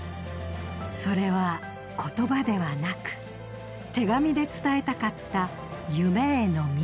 それは言葉ではなく手紙で伝えたかった夢への道しるべ。